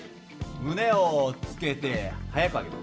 胸をつけて速く上げる。